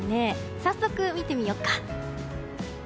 早速、見てみようか！